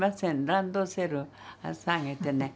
ランドセルさげてね